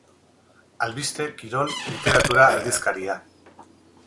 Albiste, kirol, literatura aldizkaria.